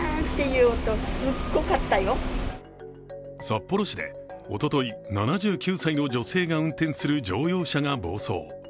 札幌市でおととい、７９歳の女性が運転する乗用車が暴走。